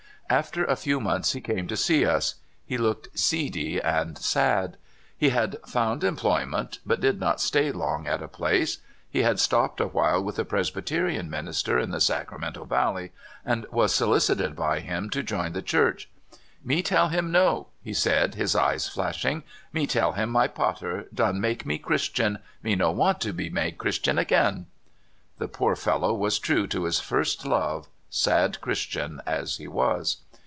After a few months he came to see us. He looked seedy and sad. He had found employ ment, but did not stay long at a place. He had stopped awhile with a Presbyterian minister in the Sacramento Valley, and was solicited by him to join the Church. "Me tell him no I " he said, his e3^e flashing; " me tell him my pather done make me Christian; me no want to be made Christian again." The poor fellow was true to his first love, sad Christian as he was.